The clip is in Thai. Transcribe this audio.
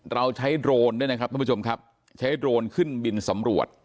เราใช้โดรนด้วยนะครับท่านผู้ชมครับใช้โดรนขึ้นบินสำรวจ